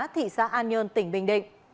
thị xã an nhơn tỉnh bình định